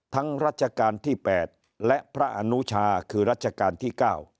รัชกาลที่๘และพระอนุชาคือรัชกาลที่๙